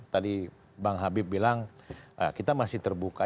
tadi bang habib bilang kita masih terbuka